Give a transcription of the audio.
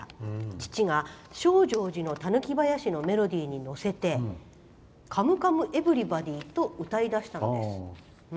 父が「証城寺の狸囃子」のメロディーに乗せて「カムカムエヴリバディ」と歌いだしたのです。